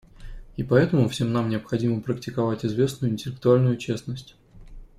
И поэтому всем нам необходимо практиковать известную интеллектуальную честность.